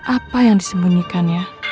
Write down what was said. apa yang disembunyikan ya